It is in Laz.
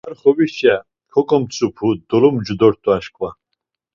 A xovişe koǩomtzupu, dolumcu dort̆u aşǩva.